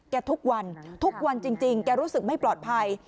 แกทุกวันทุกวันจริงแกรู้สึกไม่ปลอดภัย